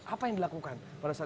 apa yang dilakukan